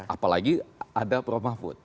apalagi ada pro mahfud